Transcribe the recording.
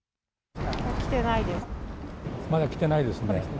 まだ来てないですね。